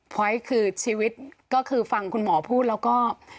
พอยต์คือชีวิตก็คือฟังคุณหมอพูดแล้วก็